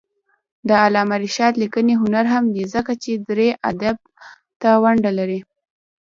د علامه رشاد لیکنی هنر مهم دی ځکه چې دري ادب ته ونډه لري.